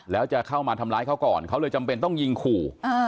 แล้วจะเข้ามาทำร้ายเขาก่อนเขาเลยจำเป็นต้องยิงขู่